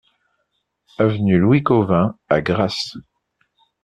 Avenue Louis Cauvin à Grasse